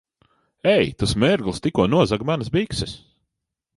Ei! Tas mērglis tikko nozaga manas bikses!